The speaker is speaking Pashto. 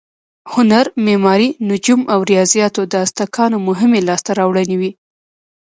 هنر، معماري، نجوم او ریاضیاتو د ازتکانو مهمې لاسته راوړنې وې.